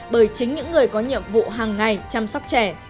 bởi chính những người có nhiệm vụ hàng ngày chăm sóc trẻ